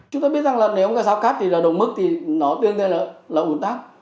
chúng ta biết rằng nếu giao cắt là đồng mức thì nó tương tư là ủn tắc